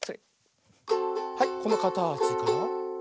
はいこのかたちから。